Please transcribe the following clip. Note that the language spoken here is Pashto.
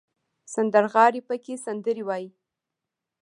سندرغاړي پکې سندرې وايي.